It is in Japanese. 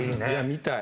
見たい。